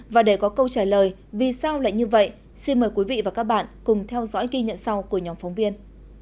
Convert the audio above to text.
và để có câu trả lời vì sao lại như vậy xin mời quý vị và các bạn cùng theo dõi ghi nhận sau của nhóm phóng viên